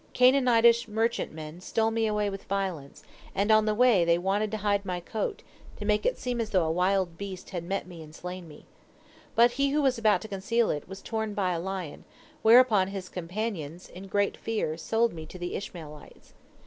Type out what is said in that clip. Canaanitish merchantmen stole me away with violence, and on the way they wanted to hide my coat, to make it seem as though a wild beast had met me and slain me. But he who was about to conceal it, was torn by a lion, whereupon his companions, in great fear, sold me to the Ishmaelites.